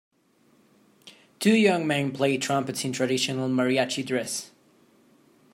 Two young men play trumpet in traditional mariachi dress.